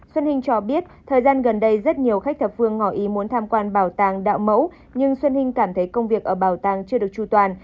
xuân hình cho biết thời gian gần đây rất nhiều khách thập phương ngỏ ý muốn tham quan bảo tàng đạo mẫu nhưng xuân hinh cảm thấy công việc ở bảo tàng chưa được tru toàn